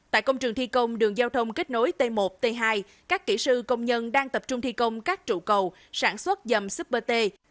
tại công trường thi công đường giao thông kết nối t một t hai các kỹ sư công nhân đang tập trung thi công các trụ cầu sản xuất dầm super t